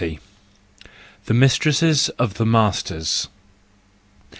The Mistresses of the Masters